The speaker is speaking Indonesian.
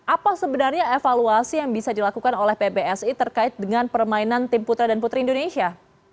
apa sebenarnya evaluasi yang bisa dilakukan oleh pbsi terkait dengan permainan tim putra dan putri indonesia